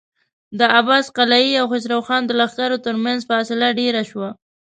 د عباس قلي او خسرو خان د لښکرو تر مينځ فاصله ډېره شوه.